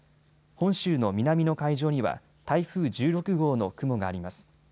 本州の南の海上には台風１６号の雲があります。